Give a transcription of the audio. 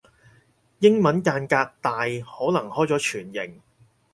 英文間隔大可能開咗全形